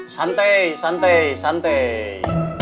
santai santai santai